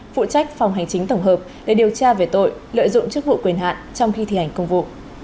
phụ trách phòng hành chính tổng hợp để điều tra về tội lợi dụng chức vụ quyền hạn trong khi thi hành công vụ